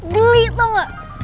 geli tau gak